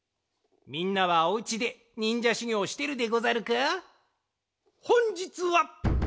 みんなはおうちでにんじゃしゅぎょうしてるでござるか？